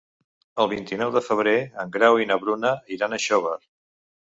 El vint-i-nou de febrer en Grau i na Bruna iran a Xóvar.